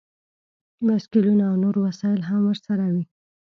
بایسکلونه او نور وسایل هم ورسره وي